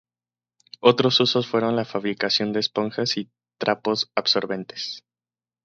Otros usos fueron la fabricación de esponjas y trapos absorbentes.